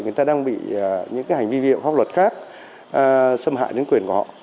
người ta đang bị những cái hành vi vi pháp luật khác xâm hại đến quyền của họ